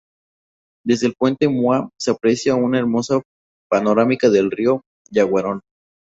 Desde el puente Mauá se aprecia una hermosa panorámica del río Yaguarón.